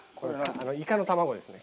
イカの卵ですね。